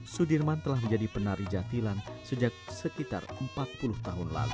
sudirman telah menjadi penari jatilan sejak sekitar empat puluh tahun lalu